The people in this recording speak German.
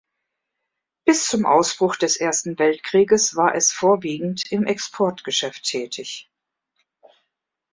Bis zum Ausbruch des Ersten Weltkrieges war es vorwiegend im Exportgeschäft tätig.